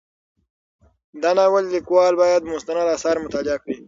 د ناول لیکوال باید مستند اثار مطالعه کړي.